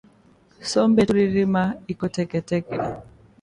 Sombe ile turi rima iko teke teke